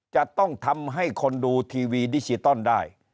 จะต้องทำให้คนดูทีวีดิจิตอลได้